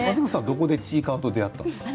どこでちいかわと出会ったんですか？